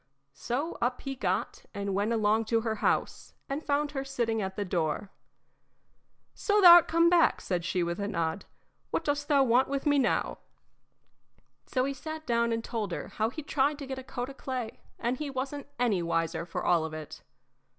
So up he got and went along to her house, and found her sitting at the door. "So thou 'rt come back," said she, with a nod. "What dost thou want with me now?" So he sat down and told her how he'd tried to get a coat o' clay, and he wasn't any wiser for all of it.